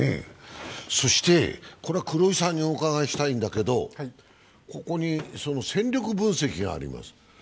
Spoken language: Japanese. そして黒井さんにお伺いしたいんだけど戦力分析があります。